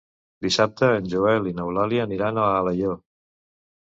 Dissabte en Joel i n'Eulàlia aniran a Alaior.